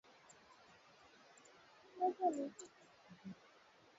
alisema kujiunga kwa Demokrasia ya Kongo kama mwanachama wa Afrika mashariki